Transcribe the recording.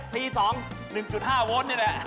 ๔๒๑๕โวลต์นี่แหละ